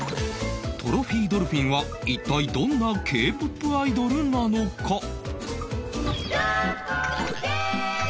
トロフィードルフィンは一体どんな Ｋ−ＰＯＰ アイドルなのか？